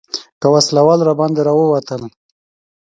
که وسله وال راباندې راووتل.